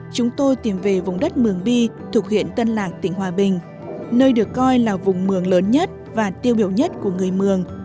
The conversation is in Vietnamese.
chúng tôi tìm về vùng đất mường bi thuộc huyện tân lạc tỉnh hòa bình nơi được coi là vùng mường lớn nhất và tiêu biểu nhất của người mường